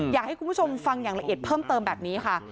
อยากให้คุณผู้ชมฟังอย่างละเอียดเพิ่มเติมแบบนี้ค่ะ